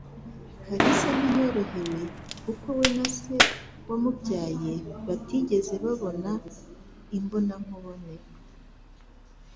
Kalisa ntiyorohewe kuko we na se wamubyaye batigeze babona imbonankubone.